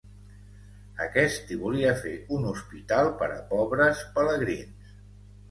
Aquest hi volia fer un hospital per a pobres pelegrins.